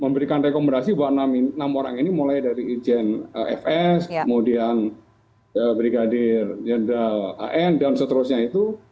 memberikan rekomendasi bahwa enam orang ini mulai dari irjen fs kemudian brigadir jenderal an dan seterusnya itu